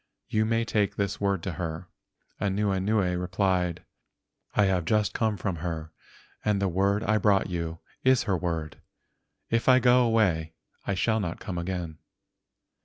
You may take this word to her." Anuenue replied: "I have just come from her and the word I brought you is her word. If I go away I shall not come again."